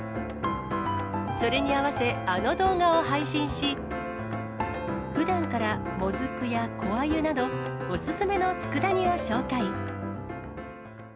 それに合わせ、あの動画を配信し、ふだんから、もずくや小鮎など、お勧めのつくだ煮を紹介。